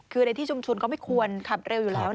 คือในที่ชุมชนก็ไม่ควรขับเร็วอยู่แล้ว